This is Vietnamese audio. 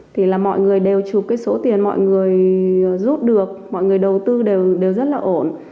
thì là mọi người đều chụp cái số tiền mọi người rút được mọi người đầu tư đều rất là ổn